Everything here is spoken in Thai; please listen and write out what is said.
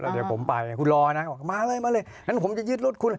เดี๋ยวผมไปคุณรอนะมาเลยงั้นผมจะยืดรถคุณ